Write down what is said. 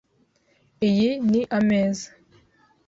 Iyi ni ameza .